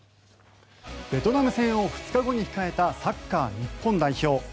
ベトナム戦を２日後に控えたサッカー日本代表。